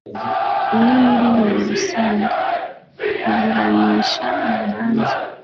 umwe muri bo rusanga kuburanisha mu manza